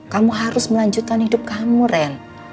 kamu harus melanjutkan hidup kamu ren